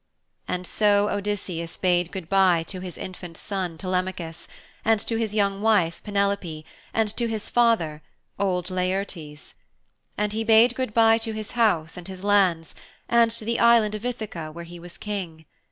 And so Odysseus bade good bye to his infant son, Telemachus, and to his young wife Penelope, and to his father, old Laertes. And he bade good bye to his house and his lands and to the island of Ithaka where he was King.